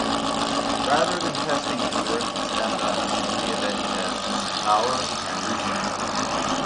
Rather than testing endurance and stamina, the event tests power and reflexes.